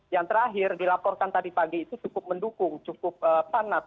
yang terakhir dilaporkan tadi pagi itu cukup mendukung cukup panas